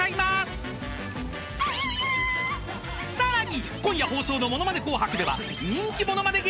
［さらに今夜放送の『ものまね紅白』では人気モノマネ